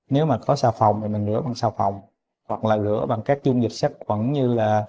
nếu mà có xào phòng thì mình rửa bằng xào phòng hoặc là rửa bằng các chung dịch sắc phẩm như là